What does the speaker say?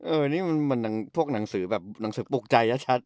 นี่มันพวกหนังสือแบบหนังสือปลูกใจชัด